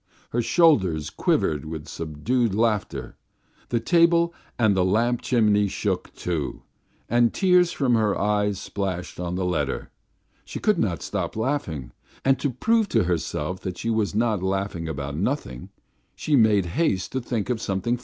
Her shoulders quivered with subdued laughter, the table and the lamp chimney shook, too, and tears from her eyes splashed on the letter. She could not stop laughing, and to prove to herself that she was not laughing about nothing she made haste to think of something funny.